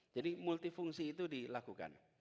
jadi multifungsi itu dilakukan